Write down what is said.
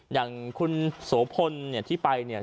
อย่างคุณโสพลเนี่ยที่ไปเนี่ย